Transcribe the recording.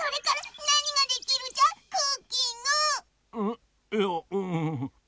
んっいやうん。